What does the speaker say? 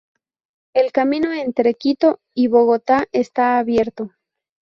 El camino entre Quito y Bogotá está abierto.